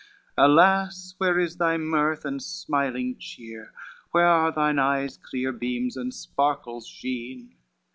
Alas! where is thy mirth and smiling cheer? Where are thine eyes' clear beams and sparkles sheen?